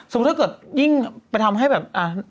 สมมุติถ้าเกิดยิ่งไปทำให้แบบ